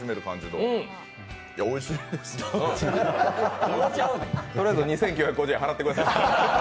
とりあえず２９５０円払ってください。